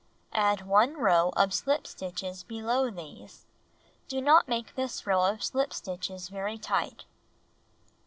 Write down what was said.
Add one row of shp stitches below these. Do not make this row of slip stitches very tight.